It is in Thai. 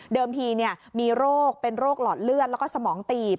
ทีมีโรคเป็นโรคหลอดเลือดแล้วก็สมองตีบ